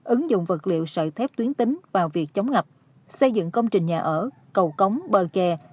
ứng dụng vật liệu sợi thép tuyến tính vào việc chống ngập xây dựng công trình nhà ở cầu cống bờ kè